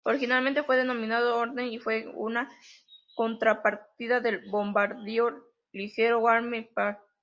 Originalmente fue denominado "Hornet" y fue una contrapartida del bombardero ligero Hawker Hart.